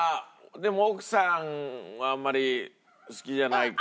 でも奥さんはあんまり好きじゃないから。